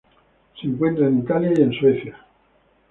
Se encuentra en Italia y en Suecia.